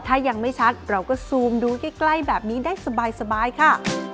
ถ้ายังไม่ชัดเราก็ซูมดูใกล้แบบนี้ได้สบายค่ะ